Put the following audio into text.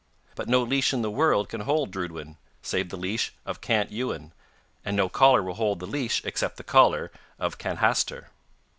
But no leash in the world can hold Drudwyn save the leash of Cant Ewin, and no collar will hold the leash except the collar of Canhastyr.